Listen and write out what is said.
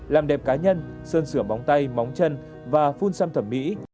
làm đẹp cá nhân sơn sửa bóng tay móng chân và phun xăm thẩm mỹ